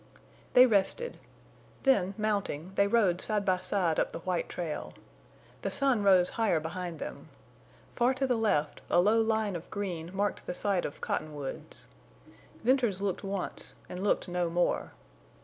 They rested. Then, mounting, they rode side by side up the white trail. The sun rose higher behind them. Far to the left a low line of green marked the site of Cottonwoods. Venters looked once and looked no more.